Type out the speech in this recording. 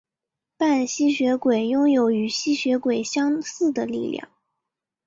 半吸血鬼拥有与吸血鬼相似的力量。